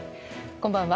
こんばんは。